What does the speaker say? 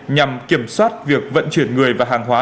nhằm kiểm soát việc vận chuyển người và hàng hóa